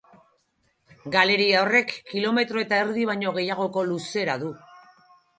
Galeria horrek kilometro eta erdi baino gehiagoko luzera du.